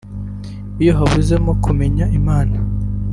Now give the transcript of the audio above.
Iyo habuzemo kumenya Imana